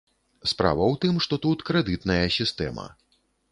Справа ў тым, што тут крэдытная сістэма.